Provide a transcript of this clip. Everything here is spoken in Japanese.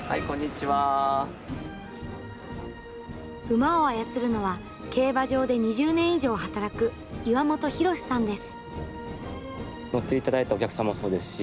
馬を操るのは、競馬場で２０年以上働く岩本浩さんです。